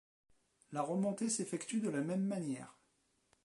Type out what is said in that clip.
La remontée s'effectue de la même manière.